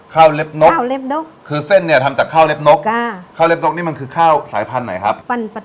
เล็บนกข้าวเล็บนกคือเส้นเนี่ยทำจากข้าวเล็บนกข้าวเล็บนกนี่มันคือข้าวสายพันธุ์ไหนครับ